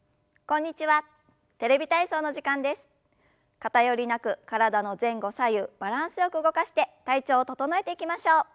偏りなく体の前後左右バランスよく動かして体調を整えていきましょう。